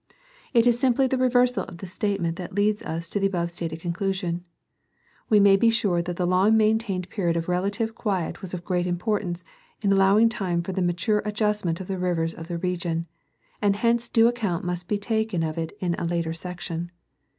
It is simply the revei'se of this statement that leads us to the above stated conclusion. We may be sure that the long maintained period of relative quiet was of great importance in allowing time for the mature adjustment of the rivers of the region, and hence due account must be taken of it in a later section.